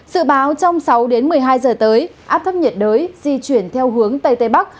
sự báo trong sáu đến một mươi hai giờ tới áp thấp nhiệt đới di chuyển theo hướng tây tây bắc